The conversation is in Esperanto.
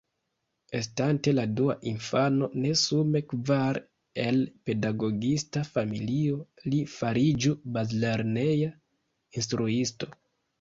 Estante la dua infano de sume kvar el pedagogista familio li fariĝu bazlerneja instruisto.